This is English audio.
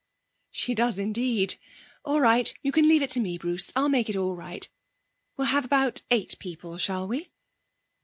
'She does, indeed. All right, you can leave it to me, Bruce. I'll make it all right. We'll have about eight people, shall we?'